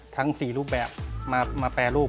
ทั้ง๔รูปแบบมาแปรรูป